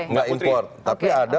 mbak putri tidak import tapi ada